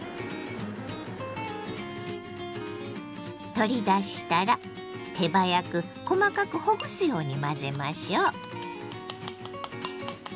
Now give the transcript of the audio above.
取り出したら手早く細かくほぐすように混ぜましょう。